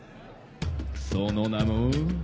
その名も。